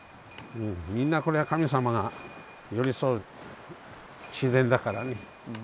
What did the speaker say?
みんなこれは神様が寄り添う自然だからね。